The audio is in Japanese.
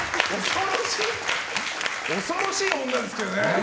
恐ろしい女ですけどね。